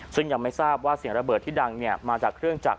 ซึ่งยังไม่ทราบว่าเสียงระเบิดที่ดังมาจากเครื่องจักร